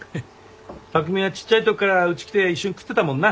匠はちっちゃいときからうち来て一緒に食ってたもんな。